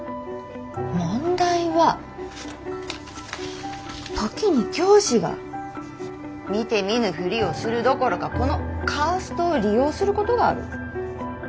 問題は時に教師が見て見ぬふりをするどころかこのカーストを利用することがある。